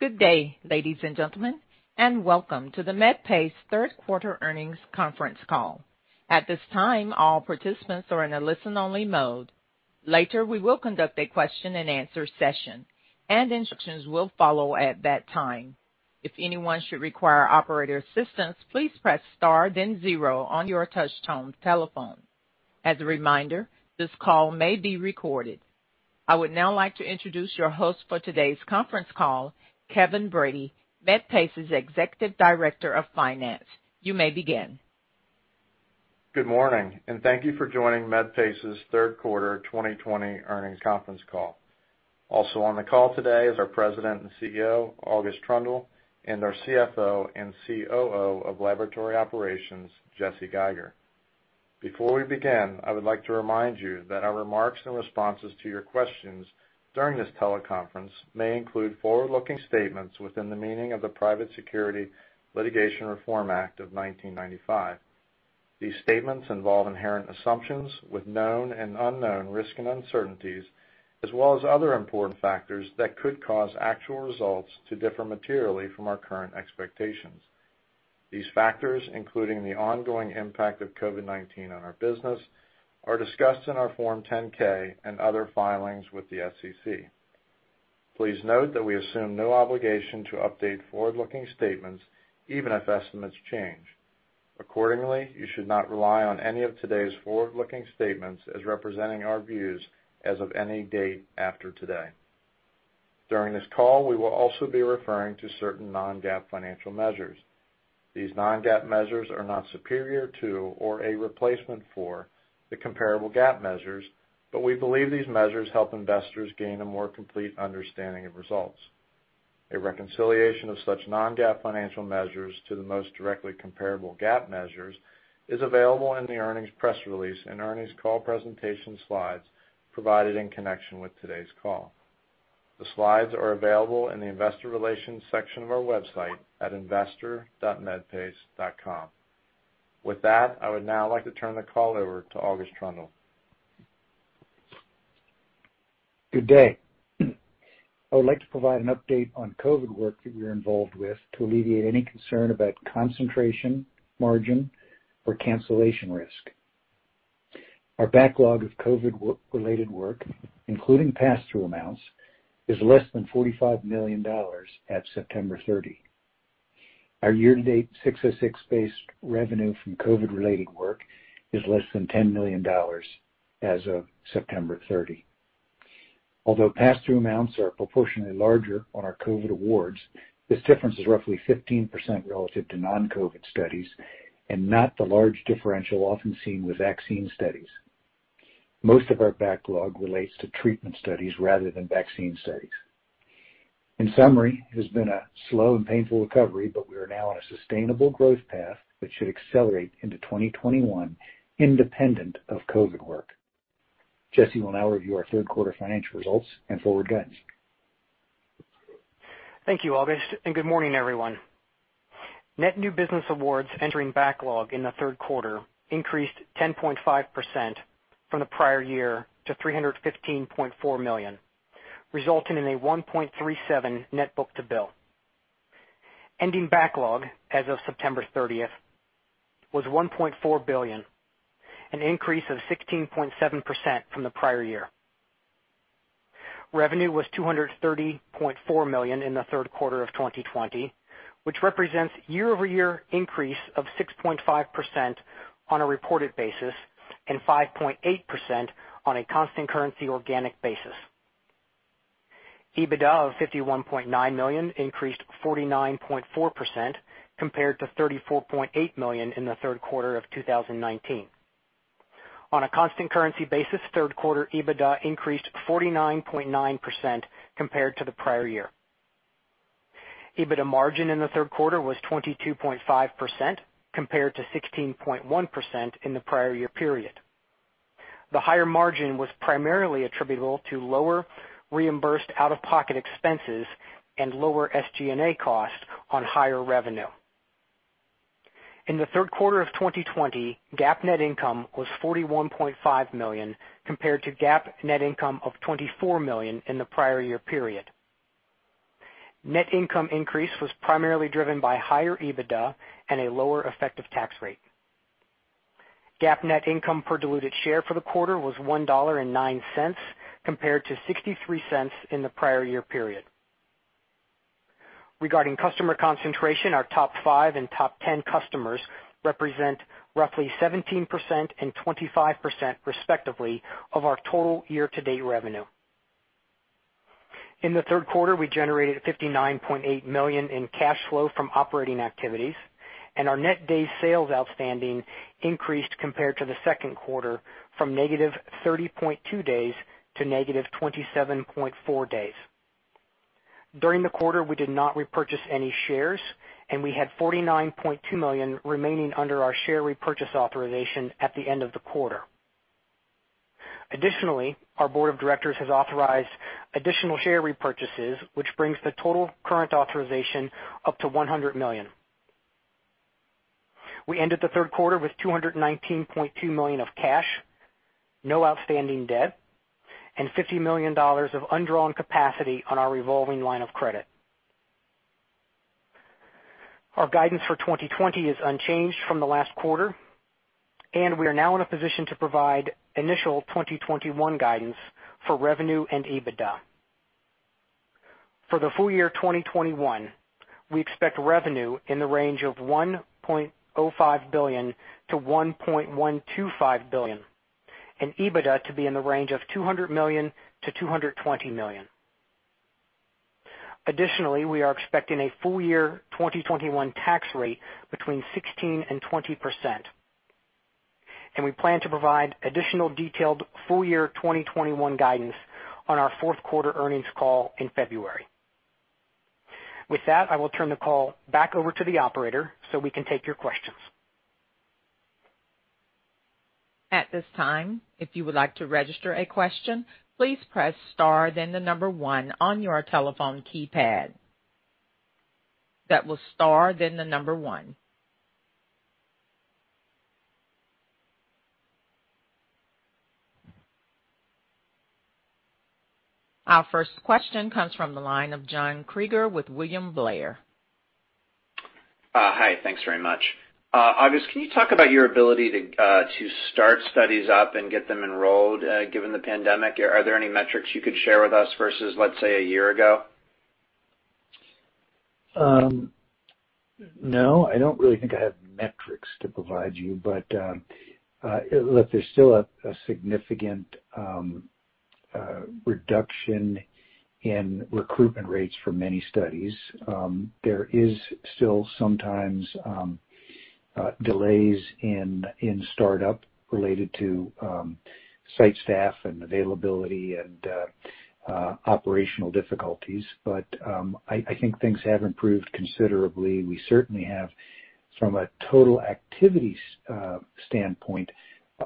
Good day, ladies and gentlemen, and welcome to the Medpace third quarter earnings conference call. At this time, all participants are in a listen-only mode. Later, we will conduct a question and answer session, and instructions will follow at that time. If anyone should require operator assistance, please press star then zero on your touchtone telephone. As a reminder, this call may be recorded. I would now like to introduce your host for today's conference call, Kevin Brady, Medpace's Executive Director of Finance. You may begin. Good morning, thank you for joining Medpace's third quarter 2020 earnings conference call. Also on the call today is our President and CEO, August Troendle, and our CFO and COO of Laboratory Operations, Jesse Geiger. Before we begin, I would like to remind you that our remarks and responses to your questions during this teleconference may include forward-looking statements within the meaning of the Private Securities Litigation Reform Act of 1995. These statements involve inherent assumptions with known and unknown risks and uncertainties, as well as other important factors that could cause actual results to differ materially from our current expectations. These factors, including the ongoing impact of COVID-19 on our business, are discussed in our Form 10-K and other filings with the SEC. Please note that we assume no obligation to update forward-looking statements even if estimates change. Accordingly, you should not rely on any of today's forward-looking statements as representing our views as of any date after today. During this call, we will also be referring to certain non-GAAP financial measures. These non-GAAP measures are not superior to or a replacement for the comparable GAAP measures, but we believe these measures help investors gain a more complete understanding of results. A reconciliation of such non-GAAP financial measures to the most directly comparable GAAP measures is available in the earnings press release and earnings call presentation slides provided in connection with today's call. The slides are available in the investor relations section of our website at investor.medpace.com. With that, I would now like to turn the call over to August Troendle. Good day. I would like to provide an update on COVID work that we're involved with to alleviate any concern about concentration, margin, or cancellation risk. Our backlog of COVID-related work, including pass-through amounts, is less than $45 million at September 30. Our year-to-date 606-based revenue from COVID-related work is less than $10 million as of September 30. Although pass-through amounts are proportionally larger on our COVID awards, this difference is roughly 15% relative to non-COVID studies and not the large differential often seen with vaccine studies. Most of our backlog relates to treatment studies rather than vaccine studies. In summary, it has been a slow and painful recovery, but we are now on a sustainable growth path that should accelerate into 2021 independent of COVID work. Jesse will now review our third quarter financial results and forward guidance. Thank you, August, and good morning, everyone. Net new business awards entering backlog in the third quarter increased 10.5% from the prior year to $315.4 million, resulting in a 1.37 net book-to-bill. Ending backlog as of September 30th was $1.4 billion, an increase of 16.7% from the prior year. Revenue was $230.4 million in the third quarter of 2020, which represents year-over-year increase of 6.5% on a reported basis and 5.8% on a constant currency organic basis. EBITDA of $51.9 million increased 49.4% compared to $34.8 million in the third quarter of 2019. On a constant currency basis, third quarter EBITDA increased 49.9% compared to the prior year. EBITDA margin in the third quarter was 22.5% compared to 16.1% in the prior year period. The higher margin was primarily attributable to lower reimbursed out-of-pocket expenses and lower SG&A costs on higher revenue. In the third quarter of 2020, GAAP net income was $41.5 million compared to GAAP net income of $24 million in the prior year period. Net income increase was primarily driven by higher EBITDA and a lower effective tax rate. GAAP net income per diluted share for the quarter was $1.09 compared to $0.63 in the prior year period. Regarding customer concentration, our top five and top 10 customers represent roughly 17% and 25%, respectively, of our total year-to-date revenue. In the third quarter, we generated $59.8 million in cash flow from operating activities, and our net days sales outstanding increased compared to the second quarter from -30.2 days to -27.4 days. During the quarter, we did not repurchase any shares, and we had $49.2 million remaining under our share repurchase authorization at the end of the quarter. Additionally, our board of directors has authorized additional share repurchases, which brings the total current authorization up to $100 million. We ended the third quarter with $219.2 million of cash, no outstanding debt, and $50 million of undrawn capacity on our revolving line of credit. Our guidance for 2020 is unchanged from the last quarter, and we are now in a position to provide initial 2021 guidance for revenue and EBITDA. For the full year 2021, we expect revenue in the range of $1.05 billion-$1.125 billion, and EBITDA to be in the range of $200 million-$220 million. Additionally, we are expecting a full year 2021 tax rate between 16% and 20%, and we plan to provide additional detailed full year 2021 guidance on our fourth quarter earnings call in February. With that, I will turn the call back over to the operator so we can take your questions. At this time if you like to register your question, please press star then number one on your telephone keypad. Start with star then number one. Our first question comes from the line of John Kreger with William Blair. Hi, thanks very much. August, can you talk about your ability to start studies up and get them enrolled, given the pandemic? Are there any metrics you could share with us versus, let's say, a year ago? No, I don't really think I have metrics to provide you. Look, there's still a significant reduction in recruitment rates for many studies. There is still sometimes delays in startup related to site staff and availability and operational difficulties. I think things have improved considerably. We certainly have, from a total activity standpoint,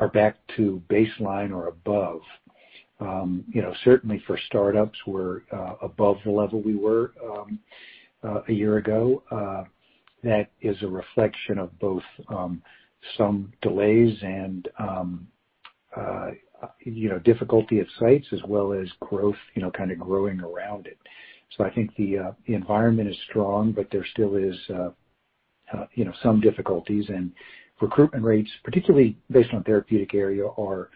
are back to baseline or above. Certainly for startups, we're above the level we were a year ago. That is a reflection of both some delays and difficulty at sites as well as growth, kind of growing around it. I think the environment is strong, but there still is some difficulties and recruitment rates, particularly based on therapeutic area, are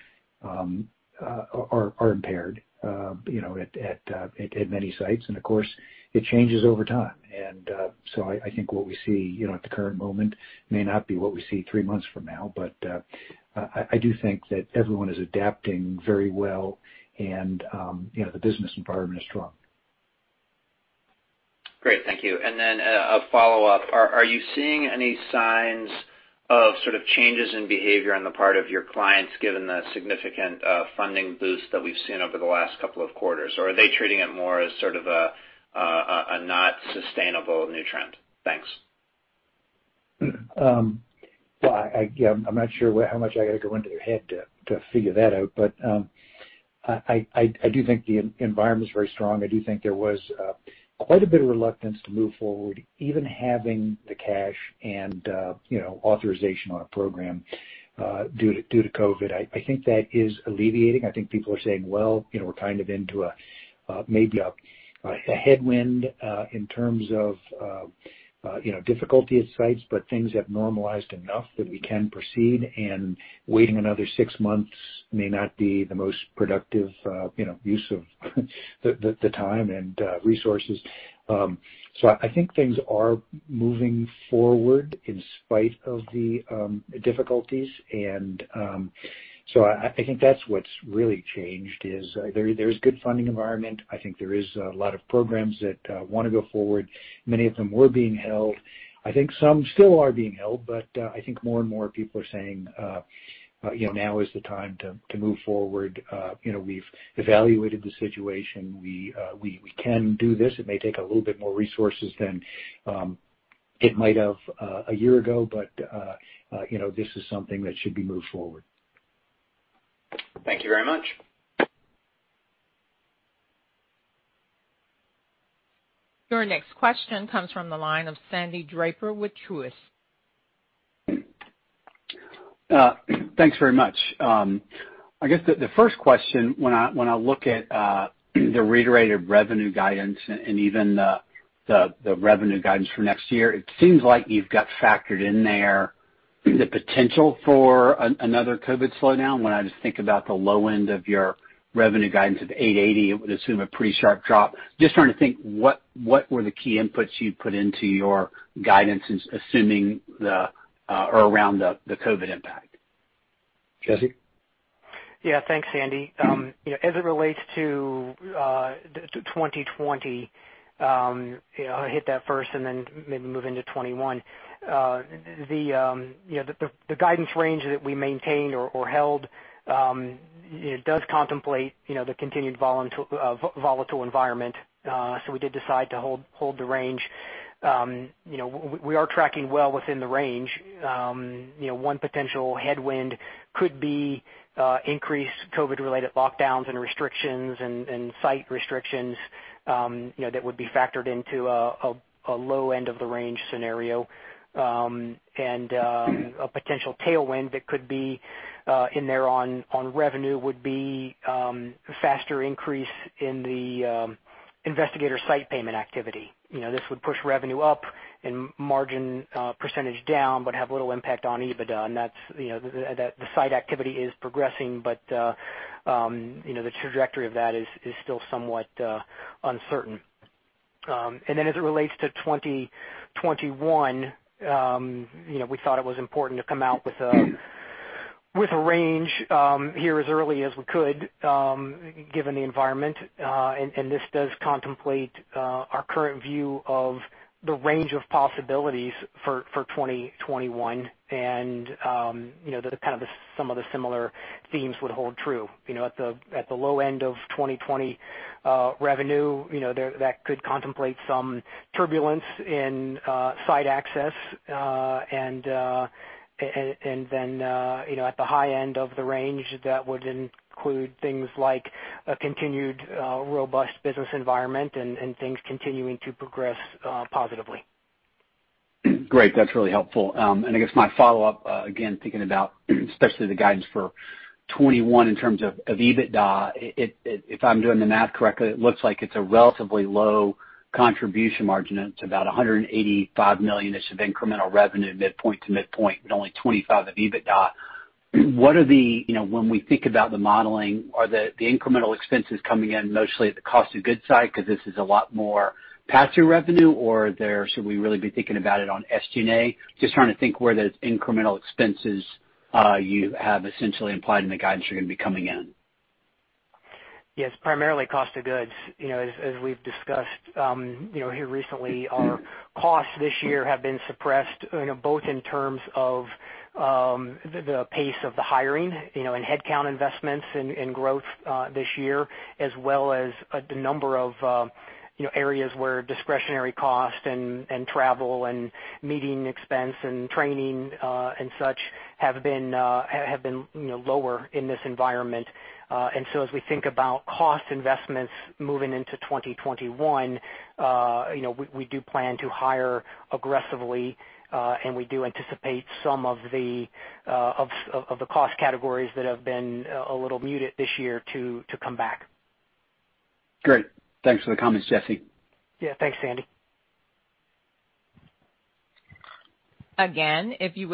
impaired at many sites, and of course, it changes over time. I think what we see at the current moment may not be what we see three months from now, but I do think that everyone is adapting very well and the business environment is strong. Great. Thank you. A follow-up. Are you seeing any signs of sort of changes in behavior on the part of your clients, given the significant funding boost that we've seen over the last couple of quarters? Are they treating it more as sort of a not sustainable new trend? Thanks. Well, I'm not sure how much I got to go into their head to figure that out. I do think the environment is very strong. I do think there was quite a bit of reluctance to move forward, even having the cash and authorization on a program due to COVID. I think that is alleviating. I think people are saying, "Well, we're kind of into maybe a headwind in terms of difficulty at sites, but things have normalized enough that we can proceed, and waiting another six months may not be the most productive use of the time and resources." I think things are moving forward in spite of the difficulties. I think that's what's really changed, is there's a good funding environment. I think there is a lot of programs that want to go forward. Many of them were being held. I think some still are being held, but I think more and more people are saying, "Now is the time to move forward. We've evaluated the situation. We can do this. It may take a little bit more resources than it might have a year ago, but this is something that should be moved forward. Thank you very much. Your next question comes from the line of Sandy Draper with Truist. Thanks very much. I guess the first question, when I look at the reiterated revenue guidance and even the revenue guidance for next year, it seems like you've got factored in there the potential for another COVID slowdown. When I just think about the low end of your revenue guidance of $880, I would assume a pretty sharp drop. Just trying to think, what were the key inputs you put into your guidance, assuming or around the COVID impact? Jesse? Yeah, thanks, Sandy. As it relates to 2020, I'll hit that first and then maybe move into 2021. The guidance range that we maintained or held does contemplate the continued volatile environment. We did decide to hold the range. We are tracking well within the range. One potential headwind could be increased COVID-related lockdowns and restrictions and site restrictions that would be factored into a low end of the range scenario. A potential tailwind that could be in there on revenue would be a faster increase in the investigator site payment activity. This would push revenue up and margin percentage down, but have little impact on EBITDA. The site activity is progressing, but the trajectory of that is still somewhat uncertain. As it relates to 2021, we thought it was important to come out with a range here as early as we could, given the environment. This does contemplate our current view of the range of possibilities for 2021. Some of the similar themes would hold true. At the low end of 2020 revenue, that could contemplate some turbulence in site access. At the high end of the range, that would include things like a continued robust business environment and things continuing to progress positively. Great. That's really helpful. I guess my follow-up, again, thinking about especially the guidance for 2021 in terms of EBITDA, if I'm doing the math correctly, it looks like it's a relatively low contribution margin. It's about $185 million-ish of incremental revenue midpoint to midpoint, but only $25 of EBITDA. When we think about the modeling, are the incremental expenses coming in mostly at the cost of goods side, because this is a lot more pass-through revenue, or should we really be thinking about it on SG&A? Just trying to think where those incremental expenses you have essentially implied in the guidance are going to be coming in. Yes, primarily cost of goods. As we've discussed here recently, our costs this year have been suppressed, both in terms of the pace of the hiring and headcount investments and growth this year, as well as the number of areas where discretionary cost and travel and meeting expense and training and such have been lower in this environment. As we think about cost investments moving into 2021, we do plan to hire aggressively, and we do anticipate some of the cost categories that have been a little muted this year to come back. Great. Thanks for the comments, Jesse. Yeah. Thanks, Sandy. Your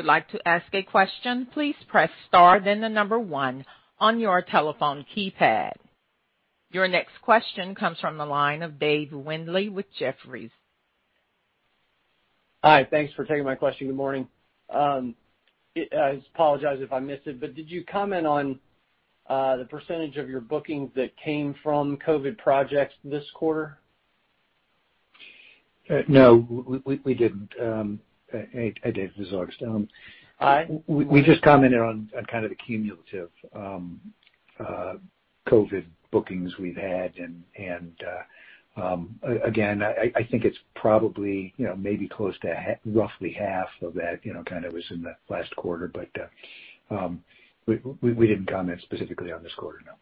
next question comes from the line of Dave Windley with Jefferies. Hi. Thanks for taking my question. Good morning. I apologize if I missed it, but did you comment on the percentage of your bookings that came from COVID projects this quarter? No, we didn't. Hey, Dave, this is August Troendle. Hi. We just commented on kind of the cumulative COVID bookings we've had. Again, I think it's probably maybe close to roughly half of that was in the last quarter. We didn't comment specifically on this quarter, no.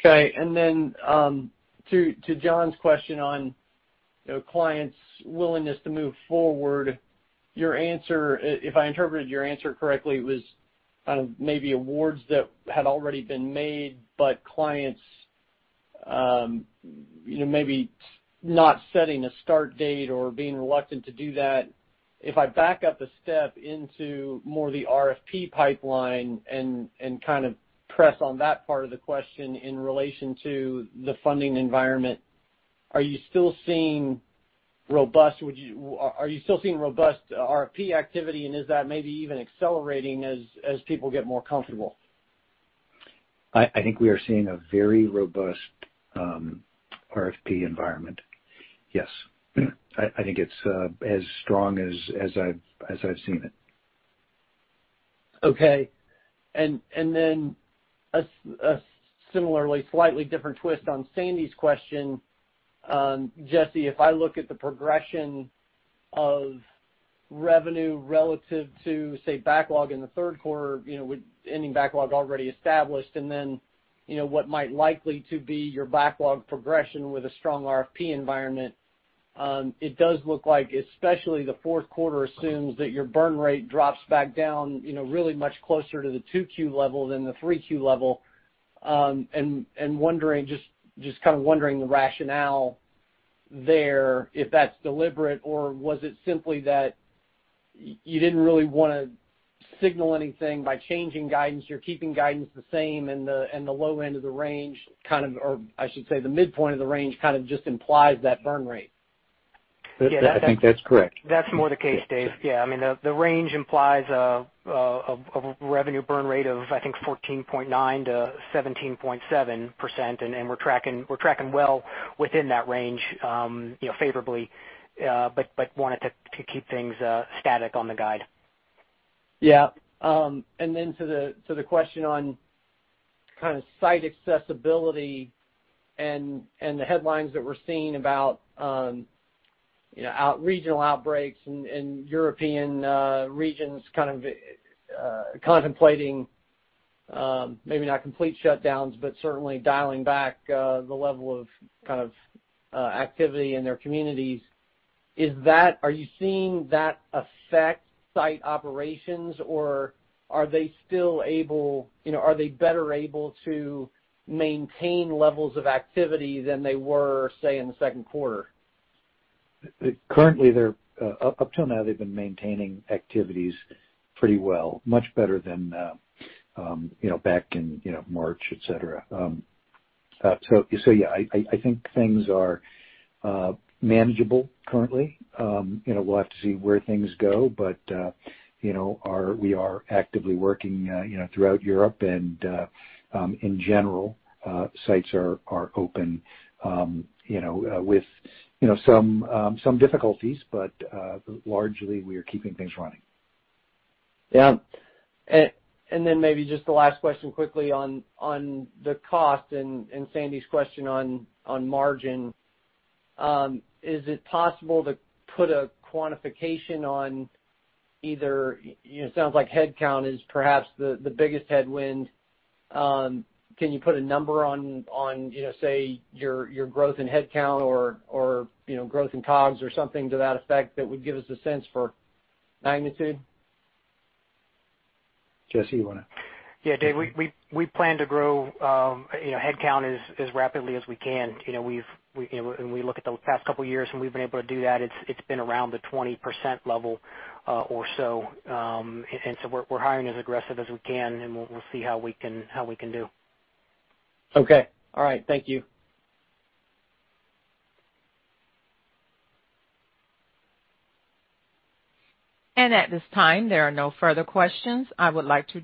Okay. To John's question on clients' willingness to move forward, if I interpreted your answer correctly, it was maybe awards that had already been made, but clients maybe not setting a start date or being reluctant to do that. If I back up a step into more the RFP pipeline and kind of press on that part of the question in relation to the funding environment, are you still seeing robust RFP activity, and is that maybe even accelerating as people get more comfortable? I think we are seeing a very robust RFP environment. Yes. I think it's as strong as I've seen it. Okay. Then a similarly slightly different twist on Sandy's question, Jesse, if I look at the progression of revenue relative to, say, backlog in the third quarter, with any backlog already established, then what might likely to be your backlog progression with a strong RFP environment, it does look like especially the fourth quarter assumes that your burn rate drops back down really much closer to the Q2 level than the Q3 level. Just kind of wondering the rationale there, if that's deliberate, or was it simply that you didn't really want to signal anything by changing guidance? You're keeping guidance the same and the low end of the range, or I should say the midpoint of the range kind of just implies that burn rate. I think that's correct. That's more the case, Dave. Yeah. The range implies a revenue burn rate of, I think, 14.9%-17.7%, and we're tracking well within that range favorably, but wanted to keep things static on the guide. Yeah. To the question on site accessibility and the headlines that we're seeing about regional outbreaks in European regions kind of contemplating, maybe not complete shutdowns, but certainly dialing back the level of activity in their communities. Are you seeing that affect site operations, or are they better able to maintain levels of activity than they were, say, in the second quarter? Currently, up till now, they've been maintaining activities pretty well, much better than back in March, et cetera. Yeah, I think things are manageable currently. We'll have to see where things go, but we are actively working throughout Europe and in general, sites are open with some difficulties, but largely we are keeping things running. Yeah. Then maybe just the last question quickly on the cost and Sandy's question on margin. Is it possible to put a quantification on either It sounds like headcount is perhaps the biggest headwind. Can you put a number on, say, your growth in headcount or growth in COGS or something to that effect that would give us a sense for magnitude? Jesse. Yeah, Dave, we plan to grow headcount as rapidly as we can. When we look at the past couple of years when we've been able to do that, it's been around the 20% level or so. We're hiring as aggressive as we can, and we'll see how we can do. Okay. All right. Thank you. At this time, there are no further questions. I would like to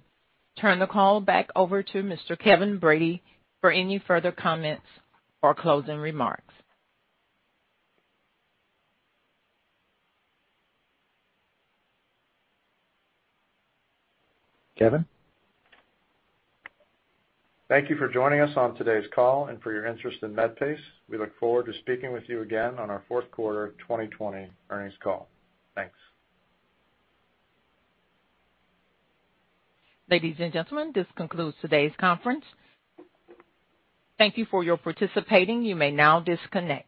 turn the call back over to Mr. Kevin Brady for any further comments or closing remarks. Kevin? Thank you for joining us on today's call and for your interest in Medpace. We look forward to speaking with you again on our fourth quarter 2020 earnings call. Thanks. Ladies and gentlemen, this concludes today's conference. Thank you for your participating. You may now disconnect.